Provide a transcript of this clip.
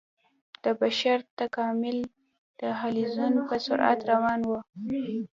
د بشر تکامل د حلزون په سرعت روان و.